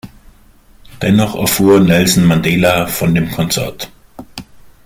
Dennoch erfuhr Nelson Mandela von dem Konzert.